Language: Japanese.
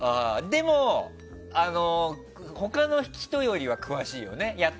でも、他の人よりは詳しいよね。